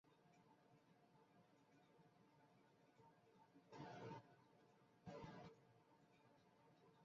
বসন্ত রায় পাল্কীর মধ্য হইতে মাথাটি বাহির করিয়া একবার মুখ ফিরাইয়া পশ্চাতে চাহিয়া দেখিলেন।